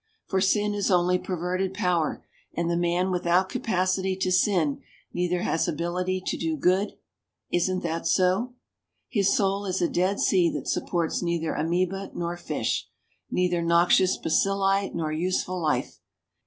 For sin is only perverted power, and the man without capacity to sin neither has ability to do good isn't that so? His soul is a Dead Sea that supports neither ameba nor fish, neither noxious bacilli nor useful life.